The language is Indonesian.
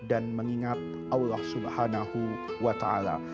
dan mengingat allah subhanahu wa ta'ala